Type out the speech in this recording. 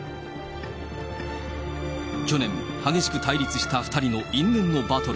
去年、激しく対立した２人の因縁のバトル。